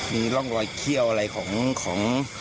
มีร่องรอยเขี้ยวอะไรของ